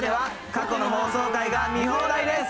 過去の放送回が見放題です！